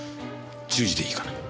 １０時でいいかな？